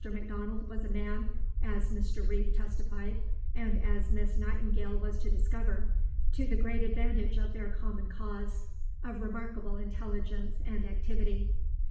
Macdonald was a man, as Mr. Reeve testified, and as Miss Nightingale was to discover to the great advantage of their common cause, "of remarkable intelligence and activity."